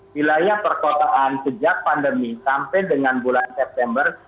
wilayah perkotaan sejak pandemi sampai dengan bulan september